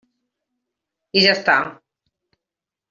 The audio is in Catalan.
I ja està.